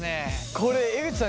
これ江口さん